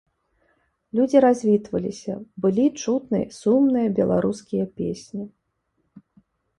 Людзі развітваліся, былі чутны сумныя беларускія песні.